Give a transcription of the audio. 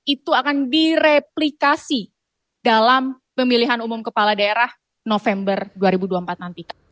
itu akan direplikasi dalam pemilihan umum kepala daerah november dua ribu dua puluh empat nanti